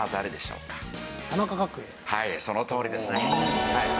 はいそのとおりですね。